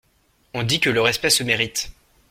On dit que le respect se mérite.